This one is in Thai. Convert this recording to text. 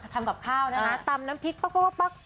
ทำกับข้าวนะคะตำน้ำพริกปั๊ก